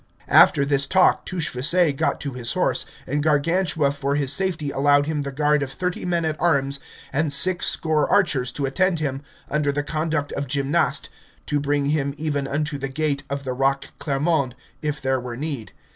After this talk Touchfaucet got to his horse, and Gargantua for his safety allowed him the guard of thirty men at arms and six score archers to attend him, under the conduct of Gymnast, to bring him even unto the gate of the rock Clermond, if there were need.